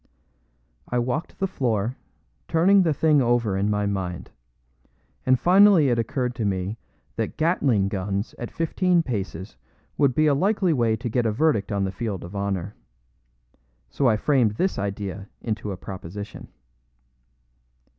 I walked the floor, turning the thing over in my mind, and finally it occurred to me that Gatling guns at fifteen paces would be a likely way to get a verdict on the field of honor. So I framed this idea into a proposition.